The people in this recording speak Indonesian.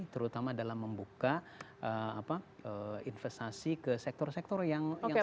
terutama dalam membuka investasi ke sektor sektor yang sangat sangat serting